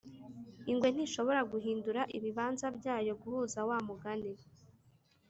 ingwe ntishobora guhindura ibibanza byayo guhuza wa mugani